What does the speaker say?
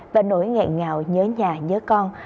và nỗi ngẹn ngào nhớ nhà nhớ con